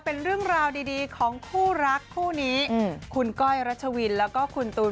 เป็นเรื่องราวดีของคู่รักคู่นี้คุณก้อยรัชวินแล้วก็คุณตูน